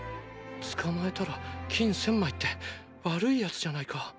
捕まえたら金１０００枚って悪い奴じゃないか。